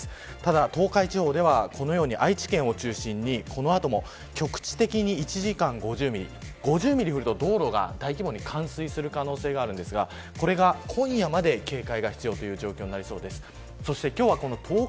ただ東海地方ではこのように愛知県を中心にこの後も局地的に１時間５０ミリ５０ミリ降ると道路が大規模に冠水する可能性があるんですがこれが今夜まで警戒が必要という状況になりそうです。